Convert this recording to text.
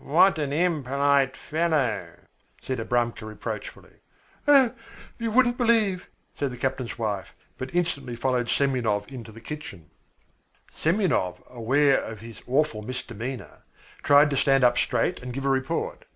"What an impolite fellow," said Abramka reproachfully. "Oh, you wouldn't believe " said the captain's wife, but instantly followed Semyonov into the kitchen. Semyonov aware of his awful misdemeanour, tried to stand up straight and give a report.